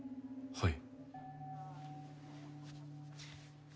はい。